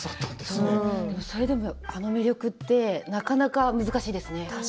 それでもあの魅力ってなかなか難しいですね。